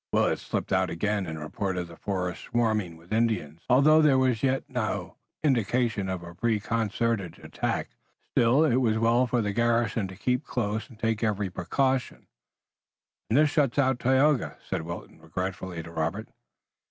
Willet slipped out again, and reported the forest swarming with Indians, although there was yet no indication of a preconcerted attack. Still, it was well for the garrison to keep close and take every precaution. "And this shuts out Tayoga," said Wilton regretfully to Robert.